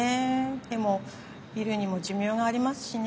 でもビルにも寿命がありますしね。